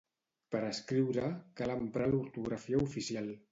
Per escriure, cal emprar l'ortografia oficial.